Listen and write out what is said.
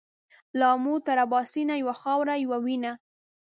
له آمو تر اباسینه یوه خاوره یو وینه